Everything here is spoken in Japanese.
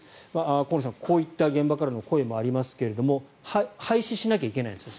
河野さん、こういった現場からの声もありますが廃止しなきゃいけないんですか。